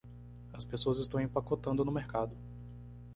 As pessoas estão empacotando no mercado.